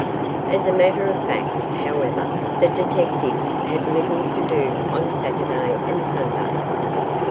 As a matter of fact, however, the detectives had little to do on Saturday and Sunday.